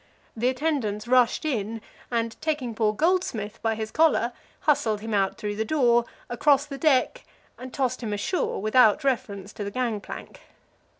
the attendants rushed in, and, taking poor Goldsmith by his collar, hustled him out through the door, across the deck, and tossed him ashore without reference to the gang plank.